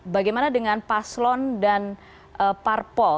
bagaimana dengan paslon dan parpol